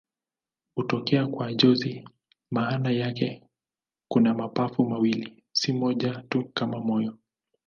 Hutokea kwa jozi maana yake kuna mapafu mawili, si moja tu kama moyo.